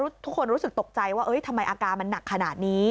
ทุกคนรู้สึกตกใจว่าทำไมอาการมันหนักขนาดนี้